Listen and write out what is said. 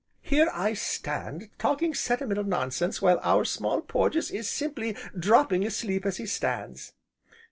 here I stand talking sentimental nonsense while our Small Porges is simply dropping asleep as he stands."